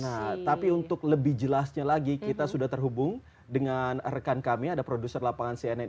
nah tapi untuk lebih jelasnya lagi kita sudah terhubung dengan rekan kami ada produser lapangan cnn